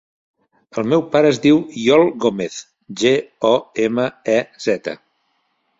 El meu pare es diu Iol Gomez: ge, o, ema, e, zeta.